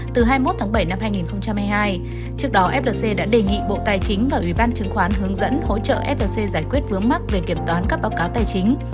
từ hai mươi một tháng bảy năm hai nghìn hai mươi hai trước đó flc đã đề nghị bộ tài chính và ủy ban chứng khoán hướng dẫn hỗ trợ flc giải quyết vướng mắc về kiểm toán các báo cáo tài chính